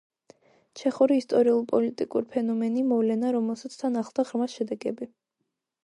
ჩეხური ისტორიულ-პოლიტიკური ფენომენი, მოვლენა, რომელსაც თან ახლდა ღრმა შედეგები.